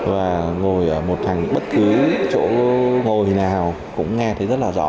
và ngồi ở một thành bất cứ chỗ ngồi nào cũng nghe thấy rất là rõ